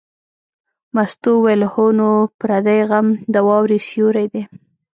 مستو وویل: هو نو پردی غم د واورې سیوری دی.